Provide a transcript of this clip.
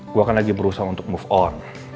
gue akan lagi berusaha untuk move on